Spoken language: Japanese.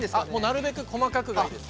なるべく細かくがいいです。